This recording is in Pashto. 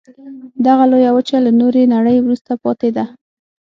دغه لویه وچه له نورې نړۍ وروسته پاتې ده.